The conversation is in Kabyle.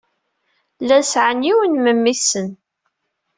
Llan sɛan yiwen n memmi-tsen.